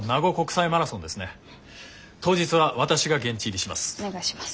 当日は私が現地入りします。